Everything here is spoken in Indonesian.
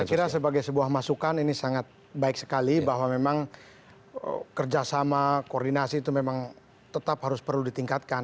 saya kira sebagai sebuah masukan ini sangat baik sekali bahwa memang kerjasama koordinasi itu memang tetap harus perlu ditingkatkan